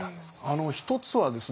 一つはですね